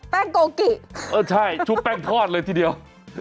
โกกิเออใช่ชุบแป้งทอดเลยทีเดียว